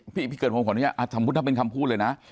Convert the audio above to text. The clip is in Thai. พี่เกิดผมขออนุญาตสมมุติถ้าเป็นคำพูดเลยนะ